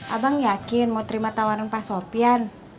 abang yakin mau terima tawaran pak sofian